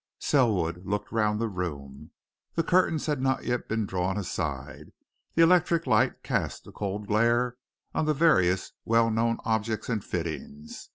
Selwood looked round the room. The curtains had not yet been drawn aside, and the electric light cast a cold glare on the various well known objects and fittings.